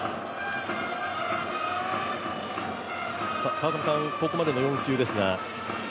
川上さん、ここまでの４球ですが。